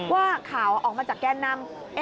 ว่าข่าวออกมาจากแกนนำ